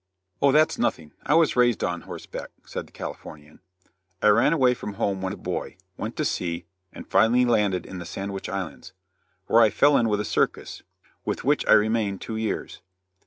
"Oh, that's nothing; I was raised on horseback," said the Californian; "I ran away from home when a boy, went to sea, and finally landed in the Sandwich Islands, where I fell in with a circus, with which I remained two years.